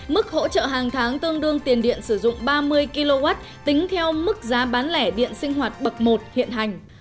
mức hỗ trợ hàng tháng tương đương tiền điện sử dụng ba mươi kw tính theo mức giá bán lẻ điện sinh hoạt bậc một hiện hành